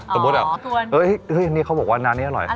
ประโบถือลงแบบอ้าวอีกกว่านานนี้อร่อย